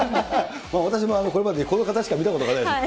私もこれまでこの方しか見たことがないです。